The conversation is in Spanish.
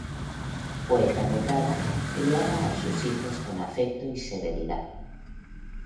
Poeta dotada, criaba a sus hijos con afecto y severidad.